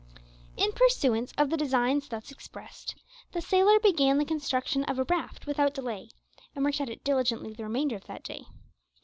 In pursuance of the designs thus expressed, the sailor began the construction of a raft without delay, and worked at it diligently the remainder of that day.